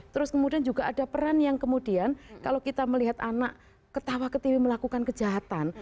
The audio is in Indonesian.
terus kemudian juga ada peran yang kemudian kalau kita melihat anak ketawa ketiwi melakukan kejahatan